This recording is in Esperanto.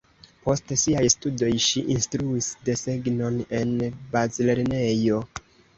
Post siaj studoj ŝi insrtruis desegnon en bazlernejo.